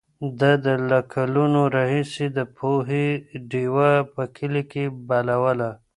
ده له کلونو راهیسې د پوهې ډېوه په کلي کې بلوله.